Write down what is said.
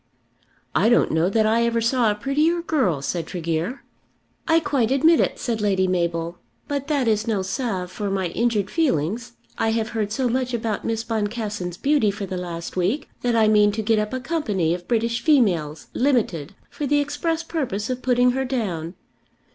"I don't know that I ever saw a prettier girl," said Tregear. "I quite admit it," said Lady Mabel. "But that is no salve for my injured feelings I have heard so much about Miss Boncassen's beauty for the last week, that I mean to get up a company of British females, limited, for the express purpose of putting her down.